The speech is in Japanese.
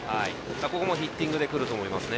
ここもヒッティングでくると思います。